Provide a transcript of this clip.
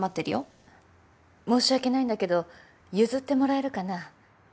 申し訳ないんだけど譲ってもらえるかな？